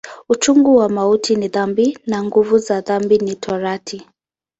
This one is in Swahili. Uchungu wa mauti ni dhambi, na nguvu za dhambi ni Torati.